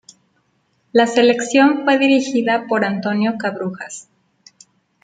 La selección fue dirigida por Antonio Cabrujas.